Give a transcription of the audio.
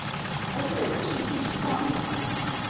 而且是計時畫面？